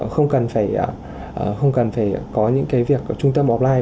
không cần phải có những cái việc ở trung tâm offline